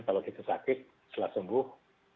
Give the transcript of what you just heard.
kalau kita sakit setelah sembuh